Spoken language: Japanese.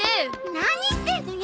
何してんのよ！